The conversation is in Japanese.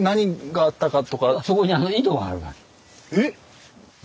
えっ？